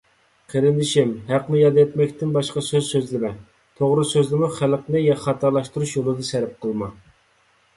قېرىندىشىم، ھەقنى ياد ئەتمەكتىن باشقا سۆز سۆزلىمە. توغرا سۆزنىمۇ خەلقنى خاتالاشتۇرۇش يولىدا سەرپ قىلما.